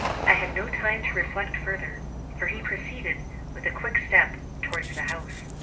"I had no time to reflect further, for he proceeded, with a quick step, towards the house.